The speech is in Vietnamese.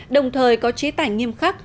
đồng thời có chế tài nghiêm khắc